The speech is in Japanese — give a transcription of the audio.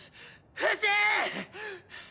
フシ！